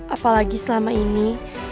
apalagi selama ini